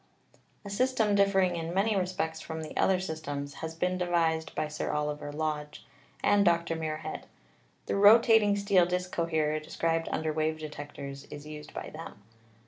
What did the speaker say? A system differing in many respects from the other systems has been devised by Sir Oliver Lodge and Dr. Muirhead. The rotating steel disk coherer described un der wave detectors is used by them.